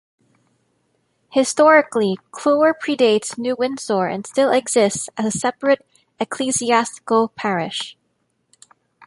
Historically, Clewer pre-dates New Windsor and still exists as a separate ecclesiastical parish.